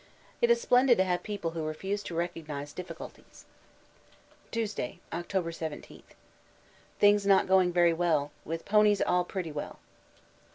It is splendid to have people who refuse to recognise difficulties. Tuesday, October 17. Things not going very well; with ponies all pretty well.